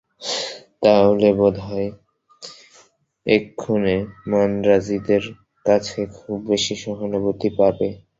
তাহলেই বোধ হয়, এক্ষণে মান্দ্রাজীদের কাছে খুব বেশী সহানুভূতি পাবে।